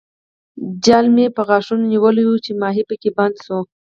جال مې په غاښونو نیولی وو چې ماهي پکې بند شو.